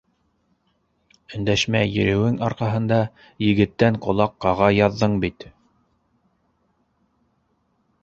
Өндәшмәй йөрөүең арҡаһында егеттән ҡолаҡ ҡаға яҙҙың бит!